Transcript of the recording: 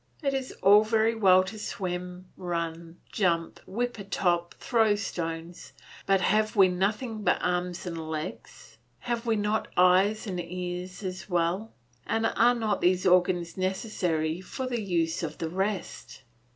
It is all very well to swim, run, jump, whip a top, throw stones; but have we nothing but arms and legs? Have we not eyes and ears as well; and are not these organs necessary for the use of the rest?